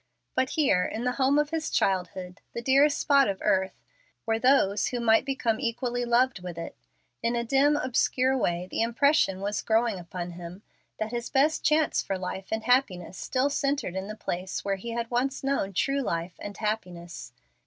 But here, in the home of his childhood, the dearest spot of earth, were those who might become equally loved with it. In a dim, obscure way the impression was growing upon him that his best chance for life and happiness still centred in the place where he had once known true life and happiness.